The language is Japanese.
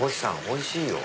おいしいよ！